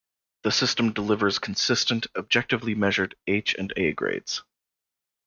The system delivers consistent, objectively measured, H and A grades.